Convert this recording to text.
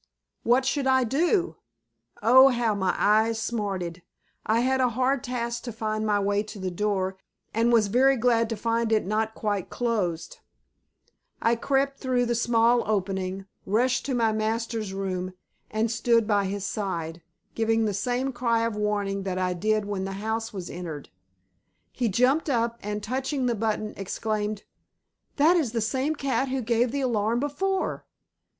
What should I do? Oh, how my eyes smarted! I had a hard task to find my way to the door and was very glad to find it not quite closed. I crept through the small opening, rushed to my master's room and stood by his side, giving the same cry of warning that I did when the house was entered. He jumped up and touching the button exclaimed, "That is the same cat who gave the alarm before!"